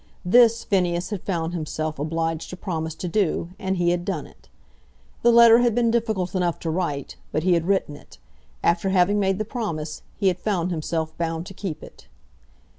This Phineas had found himself obliged to promise to do; and he had done it. The letter had been difficult enough to write, but he had written it. After having made the promise, he had found himself bound to keep it.